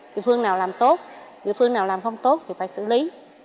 địa phương nào làm tốt địa phương nào làm không tốt thì phải xử lý